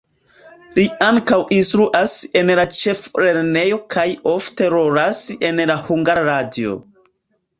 Li ankaŭ instruas en la ĉeflernejo kaj ofte rolas en la Hungara Radio.